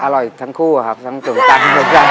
อร่อยทั้งคู่อะครับทั้งขนมตาลทั้งขนมตาล